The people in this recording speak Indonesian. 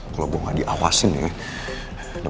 kalo gue gak diawasin ya